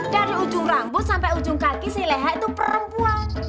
dari ujung rambut sampai ujung kaki si leha itu perempuan